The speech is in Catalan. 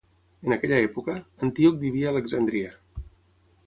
En aquella època, Antíoc vivia a Alexandria.